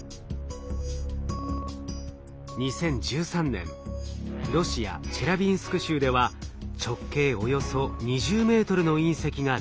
２０１３年ロシア・チェリャビンスク州では直径およそ２０メートルの隕石が落下。